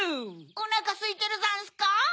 おなかすいてるざんすか？